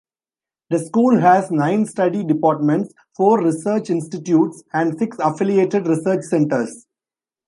The school has nine study departments, four research institutes and six affiliated research centres.